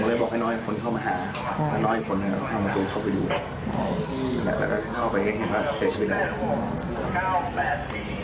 แล้วก็เข้าไปเห็นว่าเสียชีวิตได้